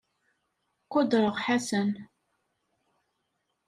Qudreɣ Ḥasan.